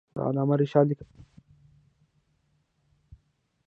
د علامه رشاد لیکنی هنر مهم دی ځکه چې پراخه حوزه لري.